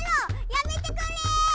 やめてくれ！